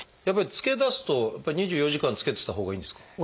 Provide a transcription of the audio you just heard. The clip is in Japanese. やっぱりつけだすと２４時間つけてたほうがいいんですか？